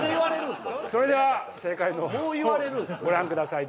それでは正解のほうをご覧ください。